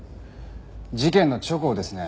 事件の直後ですね。